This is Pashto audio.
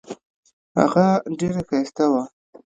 هغه ډیره ښایسته وه.